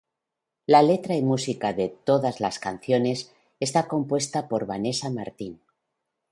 La letra y música de todas las canciones está compuesta por Vanesa Martín.